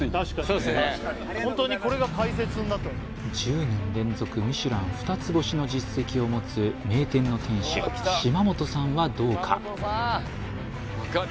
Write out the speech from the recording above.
そうすね１０年連続ミシュラン二つ星の実績を持つ名店の店主島本さんはどうか？